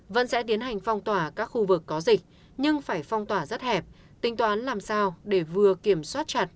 vẫn sẽ tiến hành phong tỏa các khu vực có dịch nhưng phải phong tỏa rất hẹp tính toán làm sao để vừa kiểm soát chặt